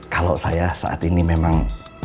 kalau saya saat ini memang